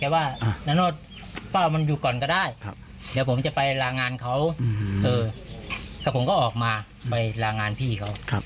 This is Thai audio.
ว่ามันอยู่ก่อนก็ได้เดี๋ยวผมจะไปลางานเขาแต่ผมก็ออกมาไปลางานพี่เขา